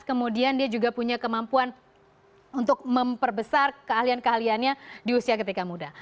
kemudian dia juga punya kemampuan untuk memperbesar keahlian keahliannya di usia ketika muda